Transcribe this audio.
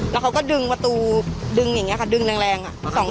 แล้วเขาก็ดึงประตูดึงอย่างนี้ค่ะดึงแรง